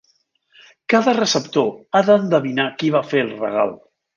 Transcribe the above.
Cada receptor ha d'endevinar qui va fer el regal.